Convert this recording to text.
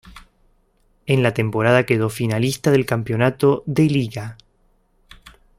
En la temporada quedó finalista del campeonato de liga.